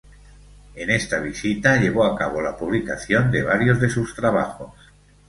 En esta visita, llevó a cabo la publicación de varios de sus trabajos.